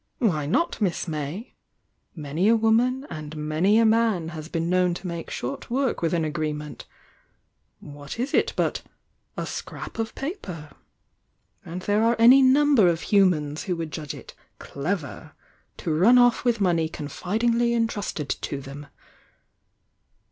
"Why not, Miss May? Many a woman and many a man has been known to make short work with an agreement, — what is it but 'a scrap of pa per'? And there are any number of Humans who would judge it 'clever' to run off with money con fidingly entrusted to them!"